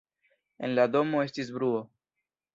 En la domo estis bruo.